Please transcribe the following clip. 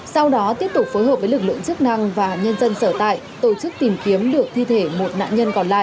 sau đó tiếp tục phối hợp với lực lượng chức năng và nhân dân sở tại tổ chức tìm kiếm được thi thể một nạn nhân còn lại